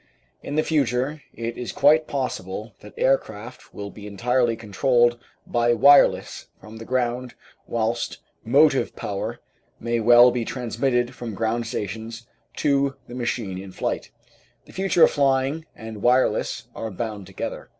In the future it is quite possible that aircraft will be entirely controlled by wireless from the ground, whilst motive power may well be transmitted from ground stations to the machine in flight. The future of flying and wireless are bound together.